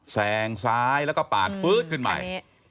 แสงซ้ายแล้วก็ปาดฟื้ดขึ้นใหม่